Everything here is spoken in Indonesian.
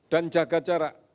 dan jaga jarak